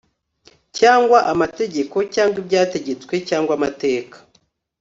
cyangwa amategeko cyangwa ibyategetswe cyangwa amateka